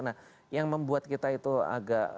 nah yang membuat kita itu agak